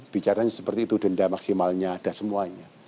bicaranya seperti itu denda maksimalnya ada semuanya